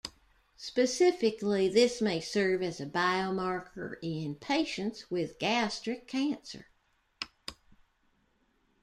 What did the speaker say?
Specifically, this may serve as a biomarker in patients with gastric cancer.